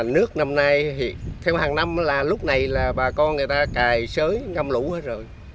nước năm nay thì theo hàng năm là lúc này là bà con người ta cài sới ngâm lũ hết rồi